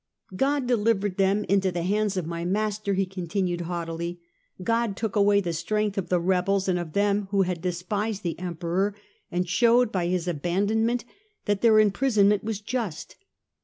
" God delivered them into the hands of my master," he continued haughtily ;" God took away the strength of the rebels and of them who had despised the Emperor, and showed by His abandonment that their imprison ment was just.